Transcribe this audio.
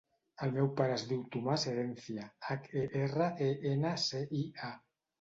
El meu pare es diu Tomàs Herencia: hac, e, erra, e, ena, ce, i, a.